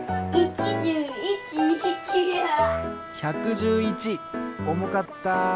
１１１おもかった。